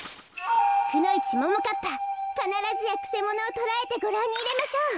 くのいちももかっぱかならずやくせものをとらえてごらんにいれましょう。